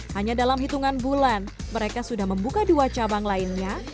hanya dalam hitungan bulan mereka sudah membuka dua cabang lainnya